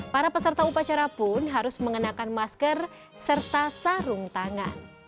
para peserta upacara pun harus mengenakan masker serta sarung tangan